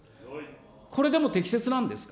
これでも適切なんですか。